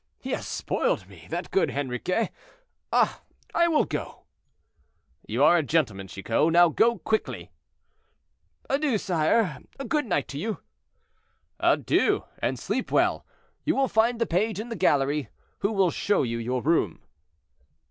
He has spoiled me, that good Henriquet. Ah! I will go." "You are a gentleman, Chicot. Now go quickly." "Adieu, sire; a good night to you." "Adieu! and sleep well. You will find the page in the gallery, who will show you your room."